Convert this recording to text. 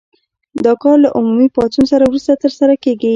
دا کار له عمومي پاڅون وروسته ترسره کیږي.